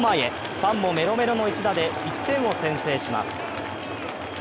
ファンもメロメロの一打で１点を先制します。